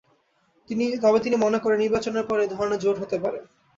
তবে তিনি মনে করেন, নির্বাচনের পরে এ ধরনের জোট হতে পারে।